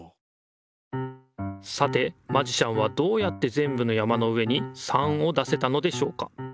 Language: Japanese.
さてマジシャンはどうやってぜんぶの山の上に３を出せたのでしょうか。